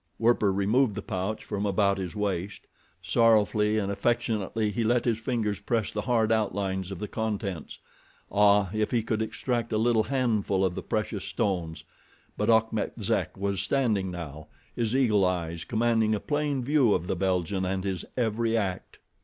Werper removed the pouch from about his waist. Sorrowfully and affectionately he let his fingers press the hard outlines of the contents. Ah, if he could extract a little handful of the precious stones! But Achmet Zek was standing now, his eagle eyes commanding a plain view of the Belgian and his every act.